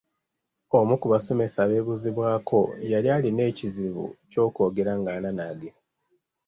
Omu ku basomesa abeebuuzibwako yali alina ekizibu ky’okwogera ng’ananaagira.